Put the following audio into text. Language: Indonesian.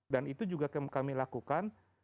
dan itu juga kami lakukan